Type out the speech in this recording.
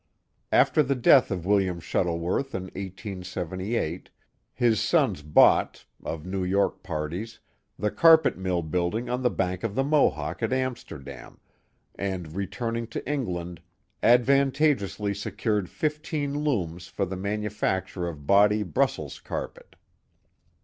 After the death of William Shuttleworth in 1S7S. his sons i bought, of New York parties, the carpet mill building on the bank of the Mohawk at Amsterdam, and, returning to Eng land, advantageously secured fifteen looms for the manufacture of body lirussels carpet.